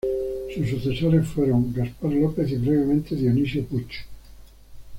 Sus sucesores fueron Gaspar López y, brevemente, Dionisio Puch.